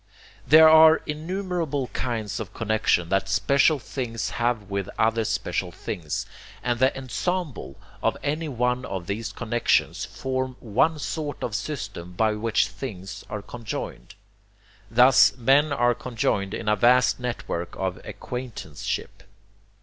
There are innumerable kinds of connexion that special things have with other special things; and the ENSEMBLE of any one of these connexions forms one sort of system by which things are conjoined. Thus men are conjoined in a vast network of ACQUAINTANCESHIP.